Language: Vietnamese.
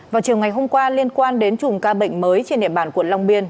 vào chiều ngày hôm qua liên quan đến chùm ca bệnh mới trên địa bàn quận long biên